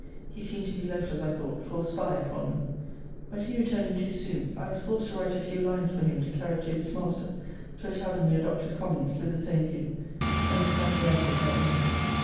He seemed to be left, as I thought, for a spy upon me. But he returning too soon, I was forced to write a few lines for him to carry to his master, to a tavern near Doctors Commons, with the same view: and this happily answered my end.